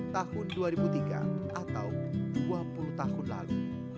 tahun dua ribu tiga atau dua puluh tahun lalu